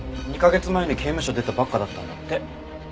２カ月前に刑務所を出たばっかりだったんだって。